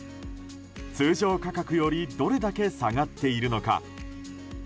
通常価格よりどれだけ下がっているのか。